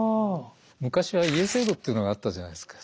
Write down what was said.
昔は家制度っていうのがあったじゃないですか。